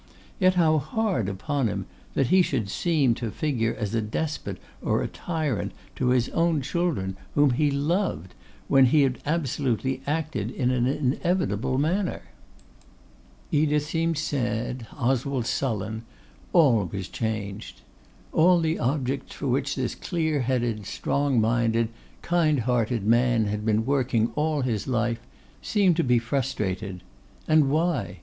Yet how hard upon him that he should seem to figure as a despot or a tyrant to his own children, whom he loved, when he had absolutely acted in an inevitable manner! Edith seemed sad, Oswald sullen; all was changed. All the objects for which this clear headed, strong minded, kind hearted man had been working all his life, seemed to be frustrated. And why?